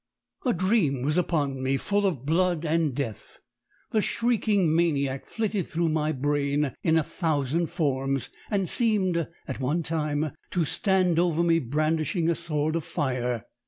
"A dream was upon me full of blood and death; the shrieking maniac flitted through my brain in a thousand forms, and seemed, at one time, to stand over me brandishing a sword of fire.